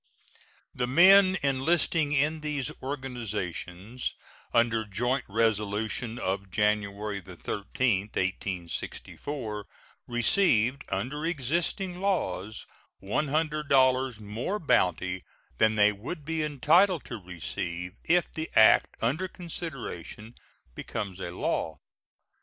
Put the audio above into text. The men enlisting in these organizations under joint resolution of January 13, 1864, receive under existing laws $100 more bounty than they would be entitled to receive if the act under consideration becomes a law.